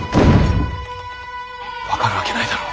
分かるわけないだろ。